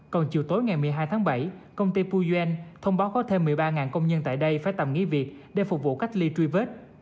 còn chiều tối ngày một mươi hai tháng bảy công ty pujen thông báo có thêm một mươi ba công nhân tại đây phải tầm nghỉ việc để phục vụ cách ly truy vết